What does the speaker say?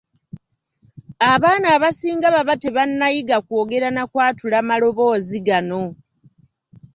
Abaana abasinga baba tebannayiga kwogera na kwatula maloboozi gano.